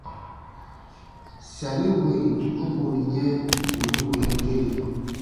Sari wì u kun yɛ̃ wì u wii kere.